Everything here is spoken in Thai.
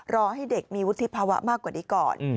ให้เด็กมีวุฒิภาวะมากกว่านี้ก่อน